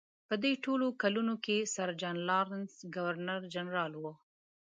په دې ټولو کلونو کې سر جان لارنس ګورنر جنرال و.